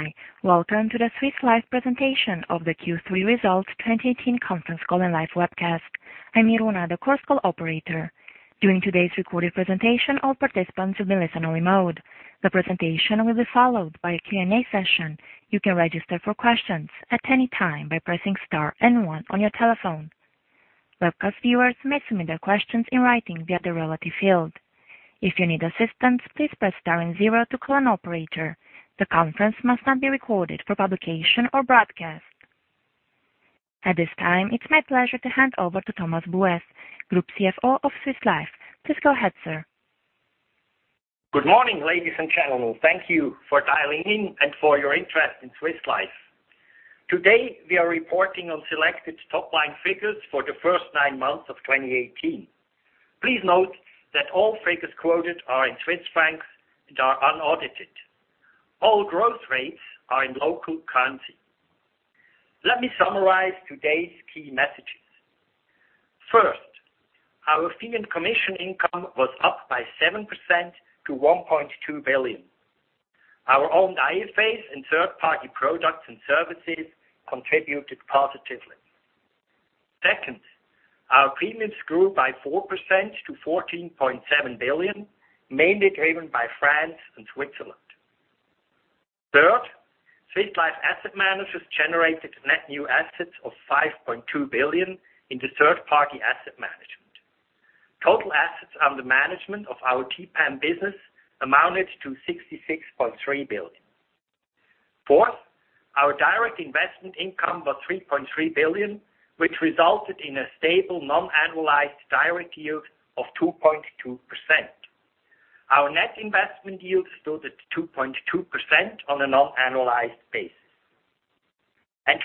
Hi, welcome to the Swiss Life presentation of the Q3 Results 2018 conference call and live webcast. I'm Irina, the Chorus Call operator. During today's recorded presentation, all participants will be listen-only mode. The presentation will be followed by a Q&A session. You can register for questions at any time by pressing star and one on your telephone. Webcast viewers may submit their questions in writing via the relative field. If you need assistance, please press star and zero to call an operator. The conference must not be recorded for publication or broadcast. At this time, it's my pleasure to hand over to Thomas Buess, Group CFO of Swiss Life. Please go ahead, sir. Good morning, ladies and gentlemen. Thank you for dialing in and for your interest in Swiss Life. Today, we are reporting on selected top-line figures for the first nine months of 2018. Please note that all figures quoted are in CHF and are unaudited. All growth rates are in local currency. Let me summarize today's key messages. First, our fee and commission income was up by 7% to 1.2 billion. Our own IFAs and third-party products and services contributed positively. Second, our premiums grew by 4% to 14.7 billion, mainly driven by France and Switzerland. Third, Swiss Life Asset Managers generated net new assets of 5.2 billion in the third-party asset management. Total assets under management of our TPAM business amounted to 66.3 billion. Fourth, our direct investment income was 3.3 billion, which resulted in a stable non-annualized direct yield of 2.2%. Our net investment yield stood at 2.2% on a non-annualized basis.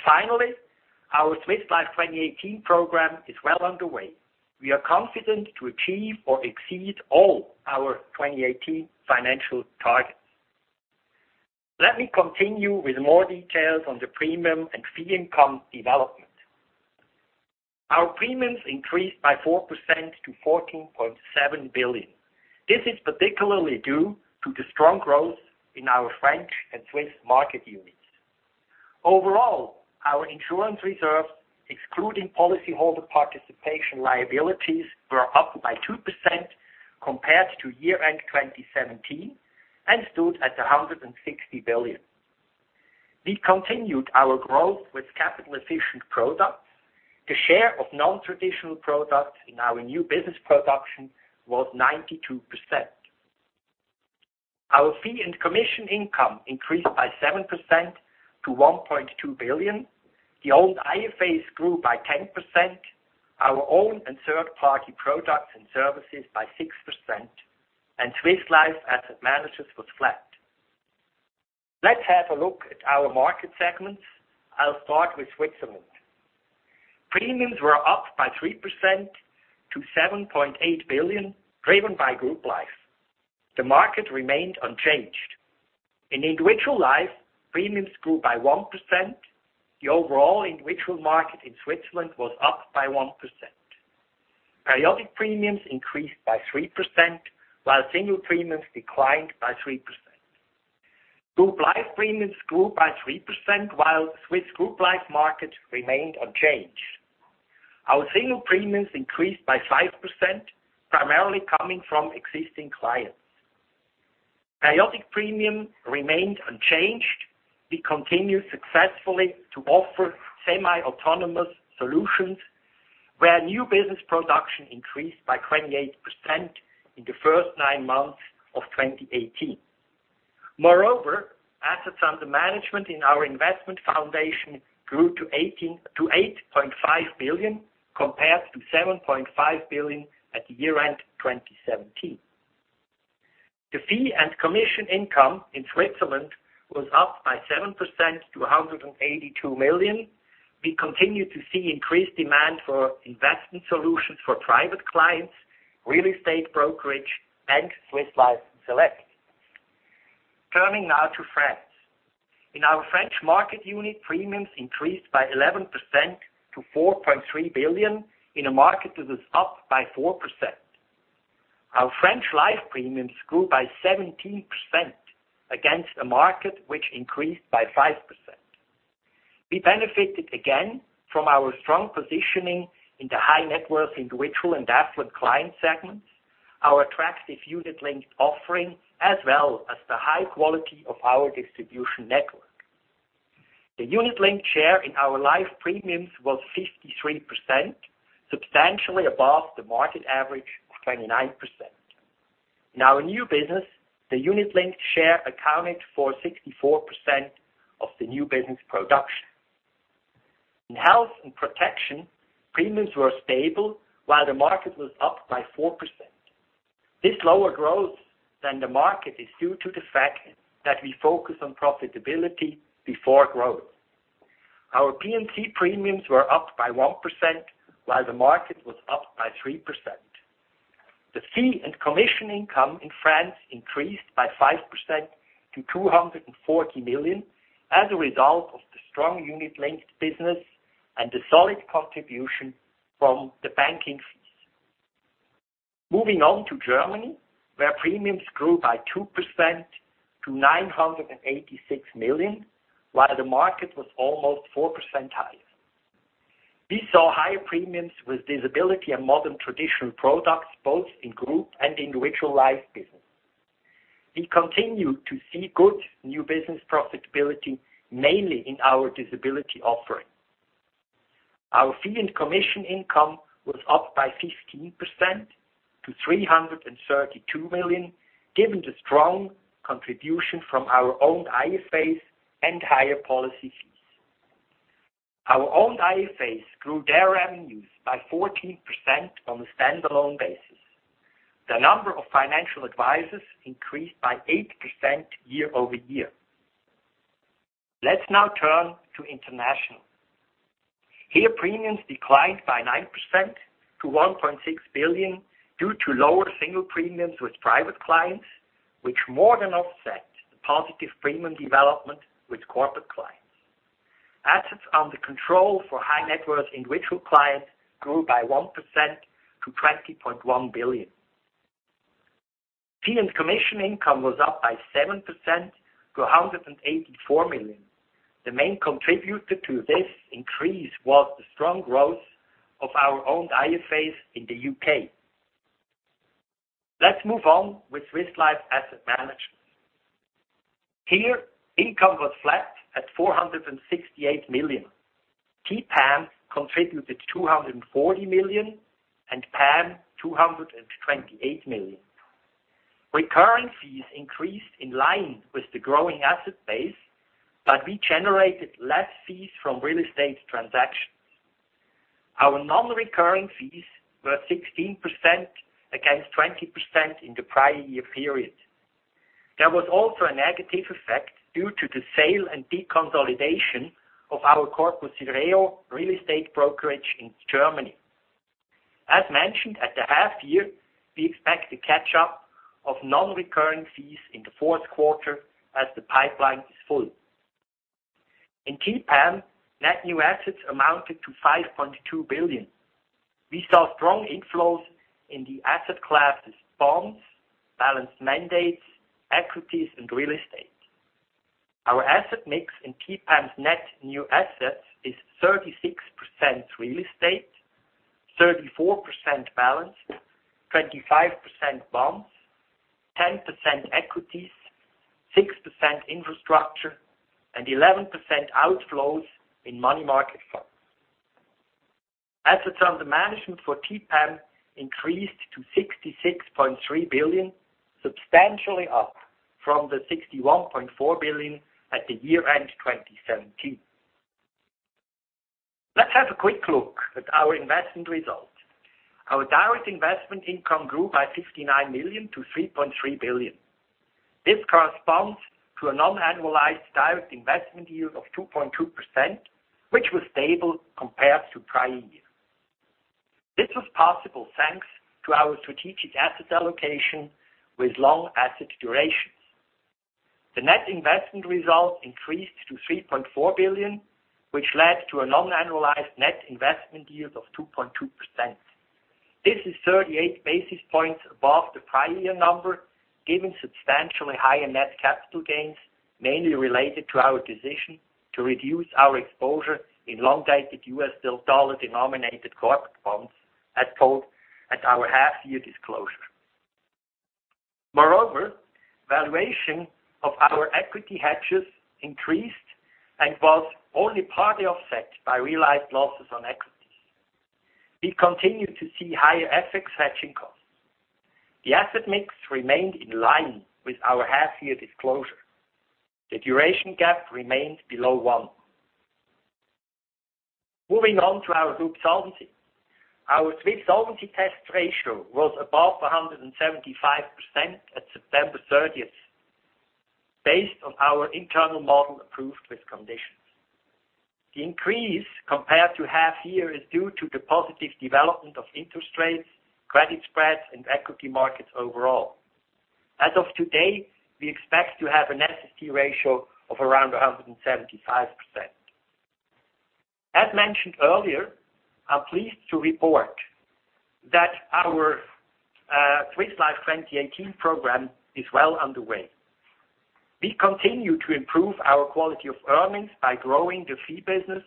Finally, our Swiss Life 2018 program is well underway. We are confident to achieve or exceed all our 2018 financial targets. Let me continue with more details on the premium and fee income development. Our premiums increased by 4% to 14.7 billion. This is particularly due to the strong growth in our French and Swiss market units. Overall, our insurance reserves, excluding policyholder participation liabilities, were up by 2% compared to year-end 2017 and stood at 160 billion. We continued our growth with capital-efficient products. The share of non-traditional products in our new business production was 92%. Our fee and commission income increased by 7% to 1.2 billion. The owned IFAs grew by 10%. Our own and third-party products and services by 6%, and Swiss Life Asset Managers was flat. Let's have a look at our market segments. I'll start with Switzerland. Premiums were up by 3% to 7.8 billion, driven by group life. The market remained unchanged. In individual life, premiums grew by 1%. The overall individual market in Switzerland was up by 1%. Periodic premiums increased by 3%, while single premiums declined by 3%. Group life premiums grew by 3%, while Swiss group life markets remained unchanged. Our single premiums increased by 5%, primarily coming from existing clients. Periodic premium remained unchanged. We continue successfully to offer semi-autonomous solutions where new business production increased by 28% in the first nine months of 2018. Moreover, assets under management in our investment foundation grew to 8.5 billion, compared to 7.5 billion at year-end 2017. The fee and commission income in Switzerland was up by 7% to 182 million. We continue to see increased demand for investment solutions for private clients, real estate brokerage, and Swiss Life Select. Turning now to France. In our French market unit, premiums increased by 11% to 4.3 billion in a market that is up by 4%. Our French Life premiums grew by 17% against a market which increased by 5%. We benefited again from our strong positioning in the high-net-worth individual and affluent client segments, our attractive unit-linked offering, as well as the high quality of our distribution network. The unit-linked share in our life premiums was 53%, substantially above the market average of 29%. In our new business, the unit-linked share accounted for 64% of the new business production. In health and protection, premiums were stable while the market was up by 4%. This lower growth than the market is due to the fact that we focus on profitability before growth. Our P&C premiums were up by 1%, while the market was up by 3%. The fee and commission income in France increased by 5% to 240 million as a result of the strong unit-linked business and the solid contribution from the banking fee. Moving on to Germany, where premiums grew by 2% to 986 million, while the market was almost 4% higher. We saw higher premiums with disability and modern traditional products, both in group and individual life business. We continue to see good new business profitability, mainly in our disability offering. Our fee and commission income was up by 15% to 332 million, given the strong contribution from our own IFAs and higher policy fees. Our own IFAs grew their revenues by 14% on a standalone basis. The number of financial advisors increased by 8% year-over-year. Let's now turn to international. Here, premiums declined by 9% to 1.6 billion due to lower single premiums with private clients, which more than offset the positive premium development with corporate clients. Assets under control for high-net-worth individual clients grew by 1% to 20.1 billion. Fee and commission income was up by 7% to 184 million. The main contributor to this increase was the strong growth of our own IFAs in the U.K. Let's move on with Swiss Life Asset Management. Here, income was flat at 468 million. TPAM contributed 240 million and PAM 228 million. Recurring fees increased in line with the growing asset base, but we generated less fees from real estate transactions. Our non-recurring fees were 16% against 20% in the prior year period. There was also a negative effect due to the sale and deconsolidation of our Corpus Sireo real estate brokerage in Germany. As mentioned at the half year, we expect a catch-up of non-recurring fees in the fourth quarter as the pipeline is full. In TPAM, net new assets amounted to 5.2 billion. We saw strong inflows in the asset classes bonds, balance mandates, equities, and real estate. Our asset mix in TPAM's net new assets is 36% real estate, 34% balance, 25% bonds, 10% equities, 6% infrastructure, and 11% outflows in money market funds. Assets under management for TPAM increased to 66.3 billion, substantially up from the 61.4 billion at the year-end 2017. Let's have a quick look at our investment results. Our direct investment income grew by 59 million to 3.3 billion. This corresponds to a non-annualized direct investment yield of 2.2%, which was stable compared to prior year. This was possible thanks to our strategic asset allocation with long asset durations. The net investment results increased to 3.4 billion, which led to a non-annualized net investment yield of 2.2%. This is 38 basis points above the prior year number, given substantially higher net capital gains, mainly related to our decision to reduce our exposure in long-dated U.S. dollar-denominated corporate bonds, as told at our half-year disclosure. Moreover, valuation of our equity hedges increased and was only partly offset by realized losses on equities. We continue to see higher FX hedging costs. The asset mix remained in line with our half-year disclosure. The duration gap remained below one. Moving on to our group solvency. Our Swiss Solvency Test ratio was above 175% at September 30, based on our internal model approved with conditions. The increase compared to half year is due to the positive development of interest rates, credit spreads, and equity markets overall. As of today, we expect to have an SST ratio of around 175%. As mentioned earlier, I am pleased to report that our Swiss Life 2018 program is well underway. We continue to improve our quality of earnings by growing the fee business,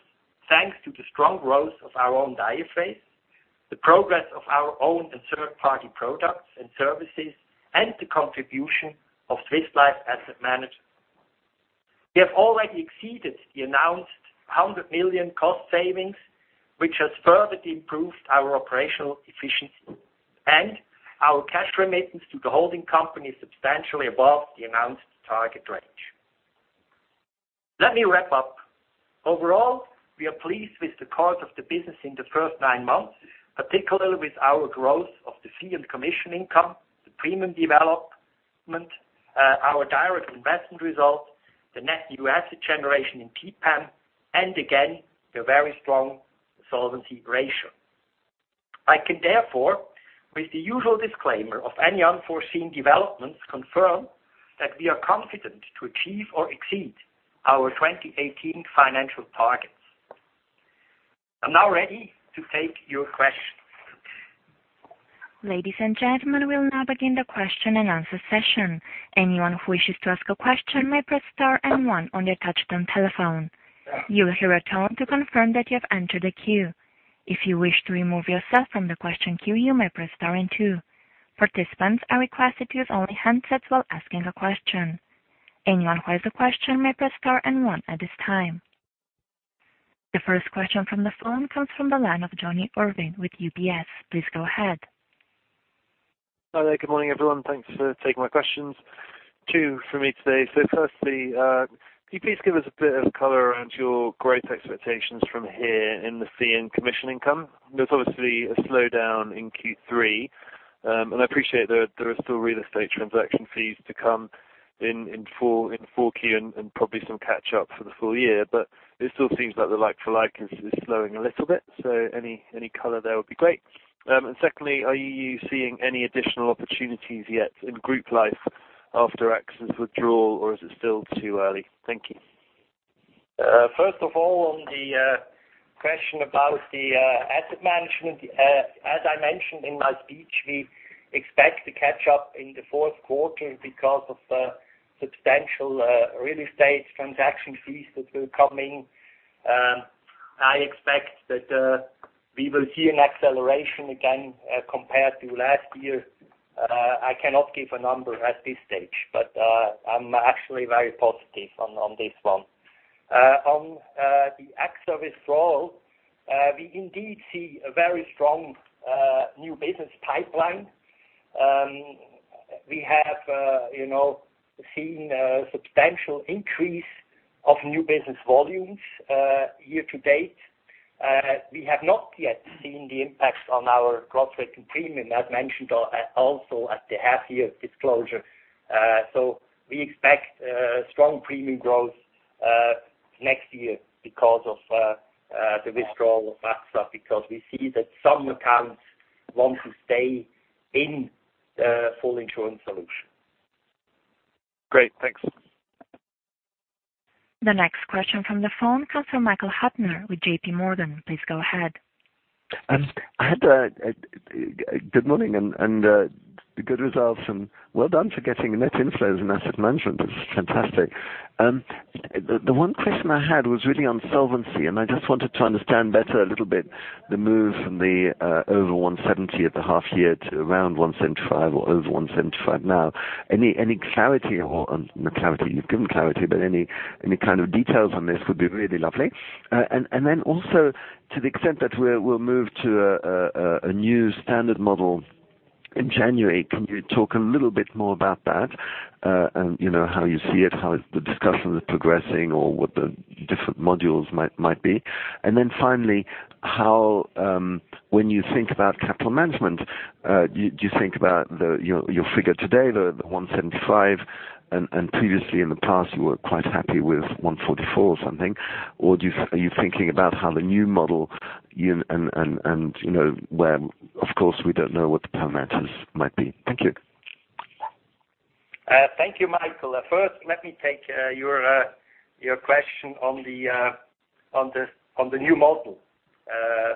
thanks to the strong growth of our own IFAs, the progress of our own and third-party products and services, and the contribution of Swiss Life Asset Management. We have already exceeded the announced 100 million cost savings, which has further improved our operational efficiency, and our cash remittance to the holding company is substantially above the announced target range. Let me wrap up. Overall, we are pleased with the course of the business in the first nine months, particularly with our growth of the fee and commission income, the premium development, our direct investment results, the net new asset generation in TPAM, and again, the very strong solvency ratio. I can therefore, with the usual disclaimer of any unforeseen developments, confirm that we are confident to achieve or exceed our 2018 financial targets. I am now ready to take your questions. Ladies and gentlemen, we will now begin the question and answer session. Anyone who wishes to ask a question may press star and one on your touch-tone telephone. You will hear a tone to confirm that you have entered the queue. If you wish to remove yourself from the question queue, you may press star and two. Participants are requested to use only handsets while asking a question. Anyone who has a question may press star and one at this time. The first question from the phone comes from the line of Jonny Urwin with UBS. Please go ahead. Hi there. Good morning, everyone. Thanks for taking my questions. Two for me today. Firstly, could you please give us a bit of color around your growth expectations from here in the fee and commission income? There's obviously a slowdown in Q3. I appreciate there are still real estate transaction fees to come in Q4 and probably some catch up for the full year, it still seems like the like-for-like is slowing a little bit. Any color there would be great. Secondly, are you seeing any additional opportunities yet in group life after AXA's withdrawal, or is it still too early? Thank you. First of all, on the question about the asset management. As I mentioned in my speech, we expect to catch up in the fourth quarter because of the substantial real estate transaction fees that will come in. I expect that we will see an acceleration again compared to last year. I cannot give a number at this stage, I'm actually very positive on this one. On the AXA withdrawal, we indeed see a very strong new business pipeline. We have seen a substantial increase of new business volumes year to date. We have not yet seen the impact on our gross written premium, as mentioned also at the half-year disclosure. We expect strong premium growth next year because of the withdrawal of AXA because we see that some accounts want to stay in the full insurance solution. Great. Thanks. The next question from the phone comes from Michael Huttner with J.P. Morgan. Please go ahead. Good morning. Good results, and well done for getting net inflows in asset management. It's fantastic. The one question I had was really on solvency. I just wanted to understand better a little bit the move from the over 170 at the half year to around 175 or over 175 now. Any clarity or, not clarity, you've given clarity. Any kind of details on this would be really lovely. Also to the extent that we'll move to a new standard model in January, can you talk a little bit more about that? How you see it, how the discussion is progressing or what the different modules might be. Finally, when you think about capital management, do you think about your figure today, the 175, and previously in the past, you were quite happy with 144 or something? Are you thinking about how the new model and where, of course, we don't know what the parameters might be. Thank you. Thank you, Michael. First, let me take your question on the new model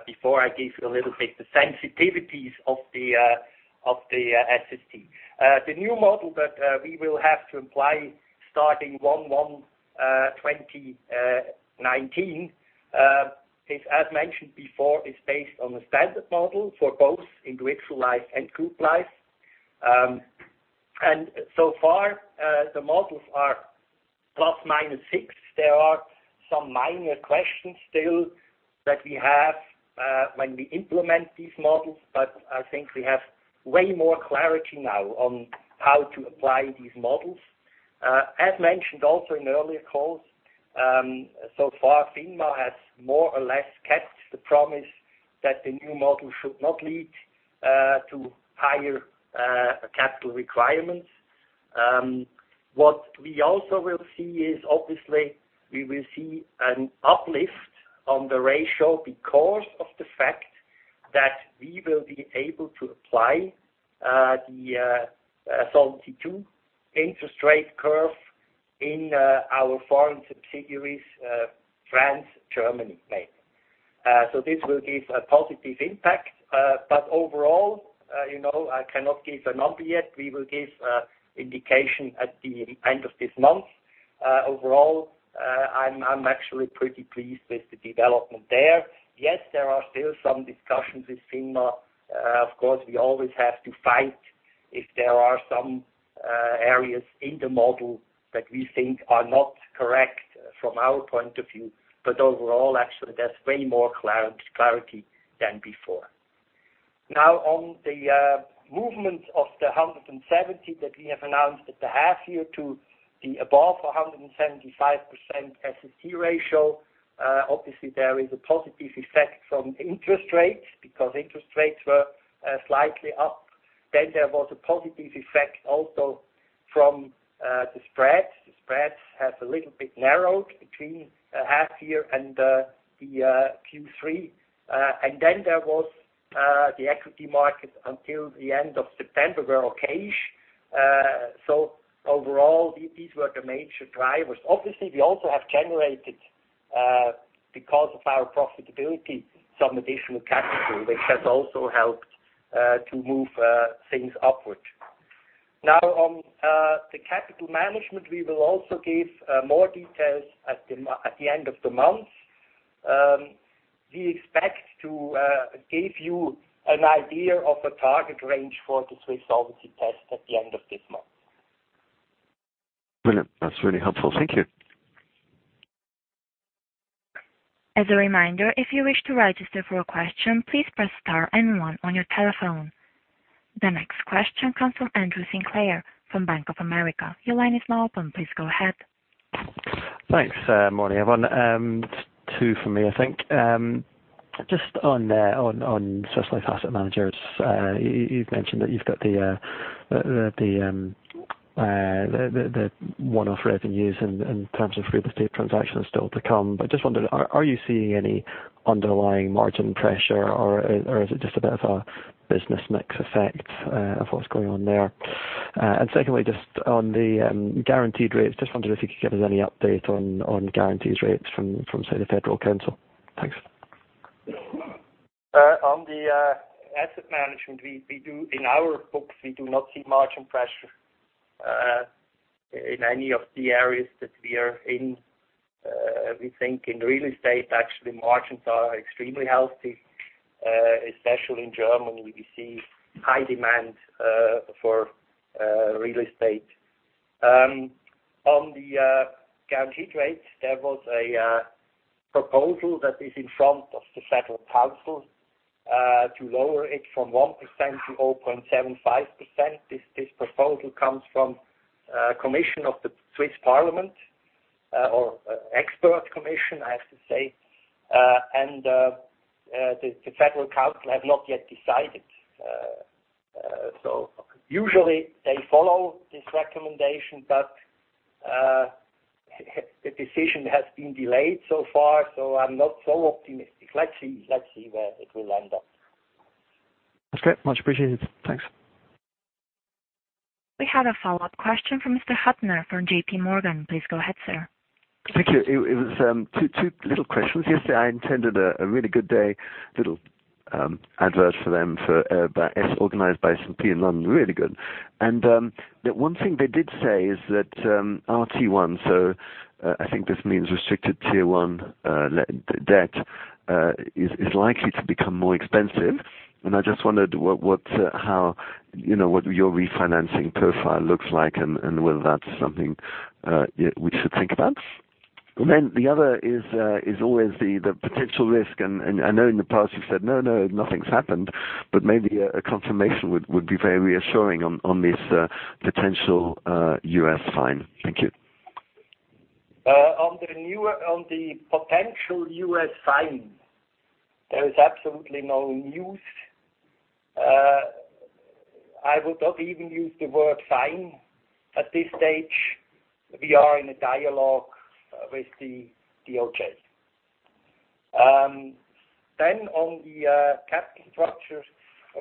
before I give you a little bit the sensitivities of the SST. The new model that we will have to apply starting 01/01/2019, as mentioned before, is based on the standard model for both individual life and group life. So far, the models are plus minus six. There are some minor questions still that we have when we implement these models. I think we have way more clarity now on how to apply these models. As mentioned also in earlier calls, so far, FINMA has more or less kept the promise that the new model should not lead to higher capital requirements. What we also will see is, obviously, we will see an uplift on the ratio because of the fact that we will be able to apply the Solvency II interest rate curve in our foreign subsidiaries, France, Germany, mainly. This will give a positive impact. Overall, I cannot give a number yet. We will give indication at the end of this month. Overall, I'm actually pretty pleased with the development there. Yes, there are still some discussions with FINMA. Of course, we always have to fight if there are some areas in the model that we think are not correct from our point of view. Overall, actually, there's way more clarity than before. Now on the movement of the 170 that we have announced at the half year to the above 175% SST ratio. Obviously, there is a positive effect from interest rates because interest rates were slightly up. There was a positive effect also from the spreads. The spreads have a little bit narrowed between half year and the Q3. There was the equity market until the end of September were okayish. Overall, these were the major drivers. Obviously, we also have generated, because of our profitability, some additional capital, which has also helped to move things upward. On the capital management, we will also give more details at the end of the month. We expect to give you an idea of a target range for the Swiss Solvency Test at the end of this month. Brilliant. That's really helpful. Thank you. As a reminder, if you wish to register for a question, please press star 1 on your telephone. The next question comes from Andrew Sinclair from Bank of America. Your line is now open. Please go ahead. Thanks. Morning, everyone. Two from me, I think. Just on Swiss Life Asset Managers, you've mentioned that you've got the one-off revenues in terms of real estate transactions still to come, but just wondered, are you seeing any underlying margin pressure or is it just a bit of a business mix effect of what's going on there? Secondly, just on the guaranteed rates, just wondered if you could give us any update on guaranteed rates from, say, the Federal Council. Thanks. On the asset management, in our books, we do not see margin pressure in any of the areas that we are in. We think in real estate, actually, margins are extremely healthy. Especially in Germany, we see high demand for real estate. On the guaranteed rates, there was a proposal that is in front of the Federal Council to lower it from 1% to 0.75%. This proposal comes from a commission of the Swiss Parliament, or expert commission, I have to say, and the Federal Council have not yet decided. Usually, they follow this recommendation, but the decision has been delayed so far, so I'm not so optimistic. Let's see where it will end up. That's great. Much appreciated. Thanks. We have a follow-up question from Mr. Huttner from J.P. Morgan. Please go ahead, sir. Thank you. It was two little questions. Yesterday, I attended a really good day, little advert for them, organized by S&P in London. Really good. The one thing they did say is that RT1, so I think this means restricted Tier 1 debt, is likely to become more expensive. I just wondered what your refinancing profile looks like and whether that's something we should think about. The other is always the potential risk, and I know in the past you've said, "No, no, nothing's happened," but maybe a confirmation would be very reassuring on this potential U.S. fine. Thank you. On the potential U.S. fine, there is absolutely no news. I would not even use the word fine at this stage. We are in a dialogue with the DOJ. On the capital structure,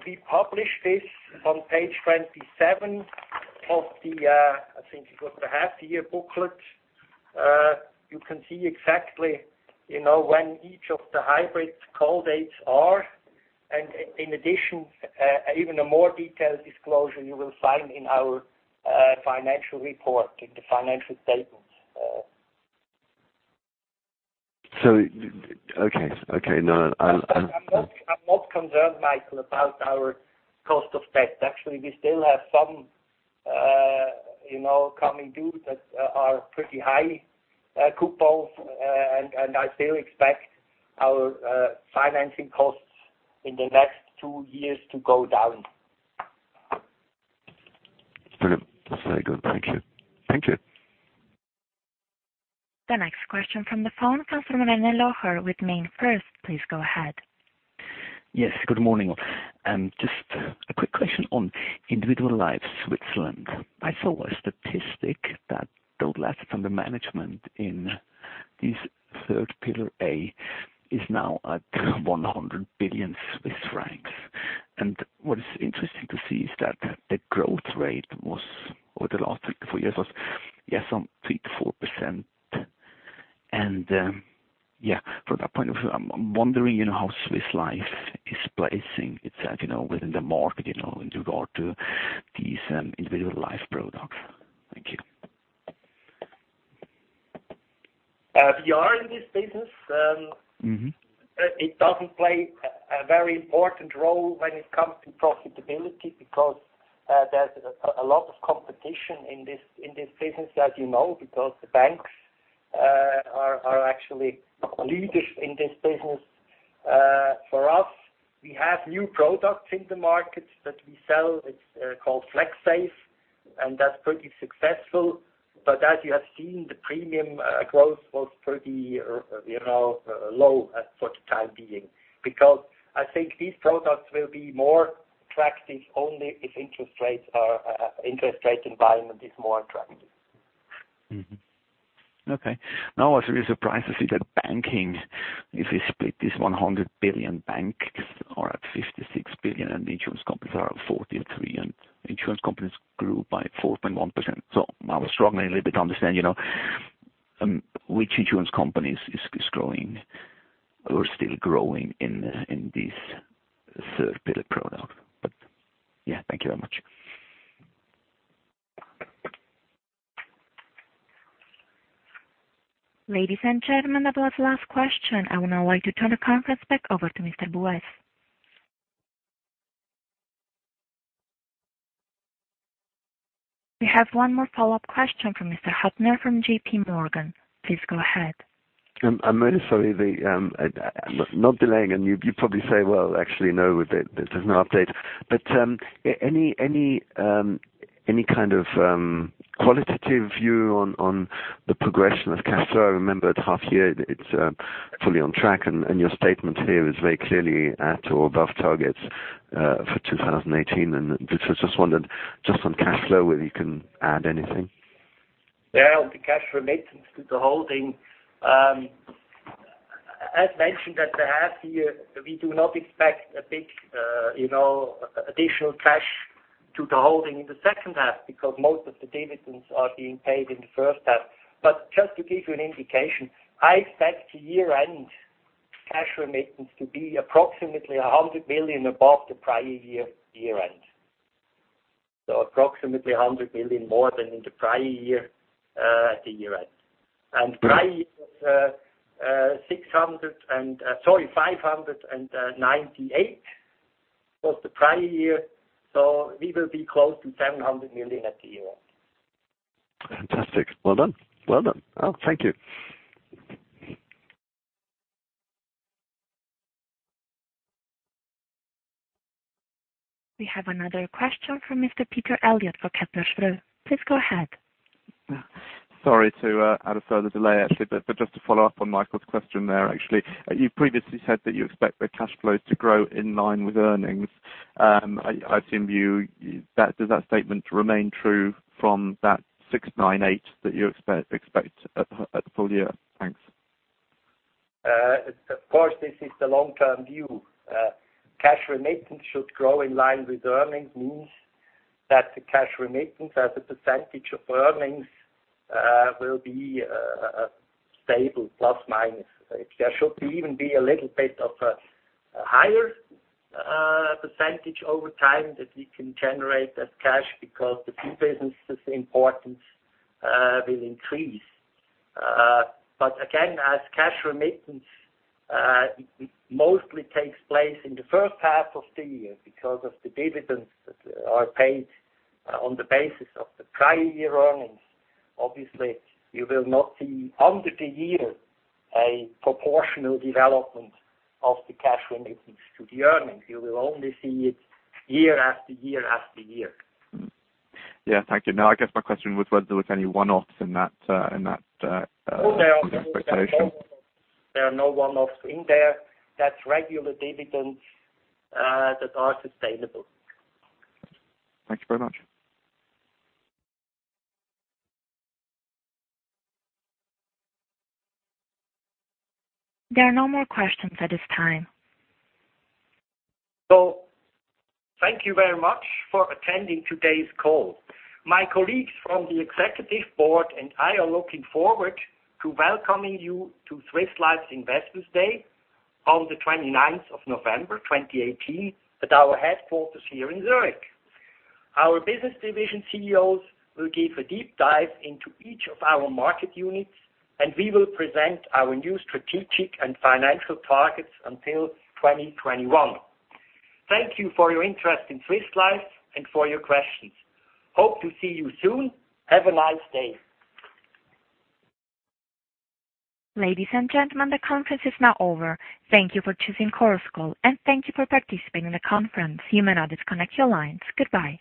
we published this on page 27 of the, I think it was the half-year booklet. You can see exactly when each of the hybrids' call dates are. In addition, even a more detailed disclosure you will find in our financial report, in the financial statements. Okay. I'm not concerned, Michael, about our cost of debt. Actually, we still have some coming due that are pretty high coupons. I still expect our financing costs in the next two years to go down. Brilliant. That's very good. Thank you. The next question from the phone comes from René Locher with MainFirst. Please go ahead. Yes, good morning, all. Just a quick question on Individual Life Switzerland. I saw a statistic that total assets under management in this third Pillar 3a is now at 100 billion Swiss francs. What is interesting to see is that the growth rate over the last three to four years was, yes, some 3%-4%. Yeah, from that point of view, I'm wondering how Swiss Life is placing itself within the market in regard to these individual life products. Thank you. We are in this business. It doesn't play a very important role when it comes to profitability because there's a lot of competition in this business, as you know, because the banks are actually leaders in this business. For us, we have new products in the market that we sell. It's called FlexSave, and that's pretty successful. As you have seen, the premium growth was pretty low for the time being because I think these products will be more attractive only if interest rate environment is more attractive. Okay. I was really surprised to see that banking, if we split this 1.9 billion, banks are at 56 billion and the insurance companies are at 43 billion. Insurance companies grew by 4.1%. I was struggling a little bit to understand, which insurance company is growing or still growing in this third pillar product. Yeah, thank you very much. Ladies and gentlemen, that was the last question. I would now like to turn the conference back over to Mr. Buess. We have one more follow-up question from Mr. Huttner from J.P. Morgan. Please go ahead. I'm really sorry. Not delaying, and you probably say, well, actually, no, there's no update. Any kind of qualitative view on the progression of cash flow? I remember at half year it's fully on track, and your statement here is very clearly at or above targets for 2018. Just wondered, just on cash flow, whether you can add anything. Yeah. On the cash remittance to the holding. As mentioned at the half year, we do not expect a big additional cash to the holding in the second half because most of the dividends are being paid in the first half. Just to give you an indication, I expect year-end cash remittance to be approximately 100 million above the prior year end. Approximately 100 million more than in the prior year at the year end. Prior year was CHF 598 million, so we will be close to 700 million at the year end. Fantastic. Well done. Thank you. We have another question from Mr. Peter Eliot for Kepler Cheuvreux. Please go ahead. Sorry to add a further delay actually, just to follow up on Michael's question there, actually. You previously said that you expect the cash flows to grow in line with earnings. I assume, does that statement remain true from that 698 that you expect at the full year? Thanks. Of course, this is the long-term view. Cash remittance should grow in line with earnings means that the cash remittance as a percentage of earnings will be stable, plus, minus. There should even be a little bit of a higher percentage over time that we can generate as cash because the two businesses' importance will increase. Again, as cash remittance, it mostly takes place in the first half of the year because of the dividends that are paid on the basis of the prior year earnings. Obviously, you will not see under the year a proportional development of the cash remittance to the earnings. You will only see it year after year after year. Yeah. Thank you. Now, I guess my question was whether there was any one-offs in that expectation. There are no one-offs in there. That's regular dividends that are sustainable. Thank you very much. There are no more questions at this time. Thank you very much for attending today's call. My colleagues from the executive board and I are looking forward to welcoming you to Swiss Life's Investors Day on the 29th of November 2018 at our headquarters here in Zurich. Our business division CEOs will give a deep dive into each of our market units, and we will present our new strategic and financial targets until 2021. Thank you for your interest in Swiss Life and for your questions. Hope to see you soon. Have a nice day. Ladies and gentlemen, the conference is now over. Thank you for choosing Chorus Call, and thank you for participating in the conference. You may now disconnect your lines. Goodbye.